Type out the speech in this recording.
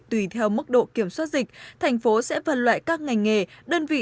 tùy theo mức độ kiểm soát dịch thành phố sẽ phân loại các ngành nghề đơn vị